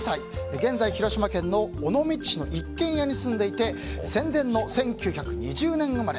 現在、広島県尾道市の一軒家に住んでいて戦前の１９２０年生まれ。